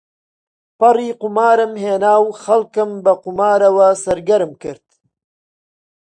پەڕی قومارم هێناو خەڵکم بە قومارەوە سەرگەرم کرد